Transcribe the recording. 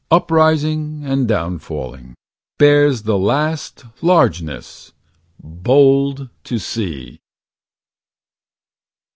Up rising and down falling, bares The last largeness, bold to see.